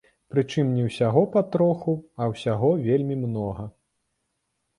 Прычым не ўсяго па троху, а ўсяго вельмі многа.